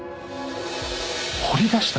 掘り出した？